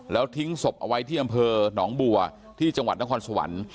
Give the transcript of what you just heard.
แล้วทิ้งศพเอาไว้ที่อำเภอหนองบัวที่จังหวัดนครสวรรค์